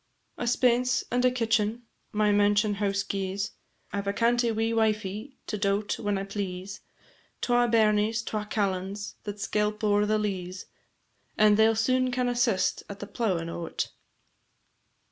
A spence and a kitchen my mansionhouse gies, I 've a cantie wee wifie to daut whan I please, Twa bairnies, twa callans, that skelp o'er the leas, And they 'll soon can assist at the plowin' o't.